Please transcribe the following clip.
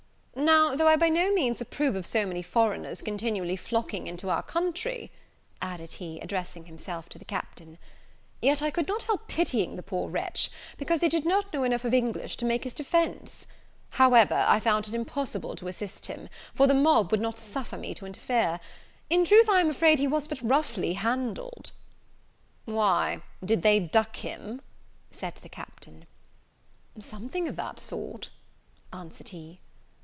"Now, though I by no means approve of so many foreigners continually flocking into our country," added he, addressing himself to the Captain, "yet I could not help pitying the poor wretch, because he did not know enough of English to make his defence; however, I found it impossible to assist him; for the mob would not suffer me to interfere. In truth, I am afraid he was but roughly handled." "Why, did they duck him?" said the Captain. "Something of that sort," answered he.